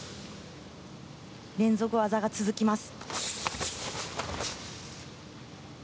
連続技が続きます。